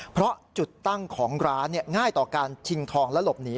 เพราะจุดตั้งของร้านง่ายต่อการชิงทองและหลบหนี